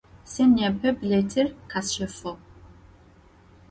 Se nêpe bilêtır khesşefığ.